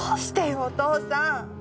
お父さん。